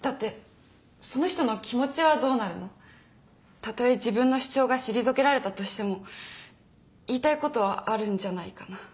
たとえ自分の主張が退けられたとしても言いたいことはあるんじゃないかな。